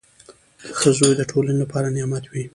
• ښه زوی د ټولنې لپاره نعمت وي.